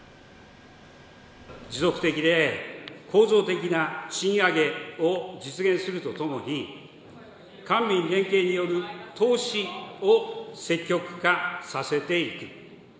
持続的で構造的な賃上げを実現するとともに、官民連携による投資を積極化させていく。